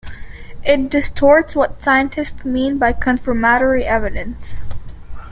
It distorts what scientists mean by confirmatory evidence.